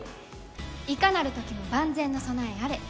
いかなる時も万全の備えあれ。